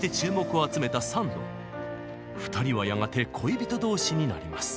２人はやがて恋人同士になります。